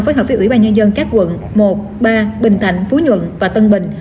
phối hợp với ủy ban nhân dân các quận một ba bình thạnh phú nhuận và tân bình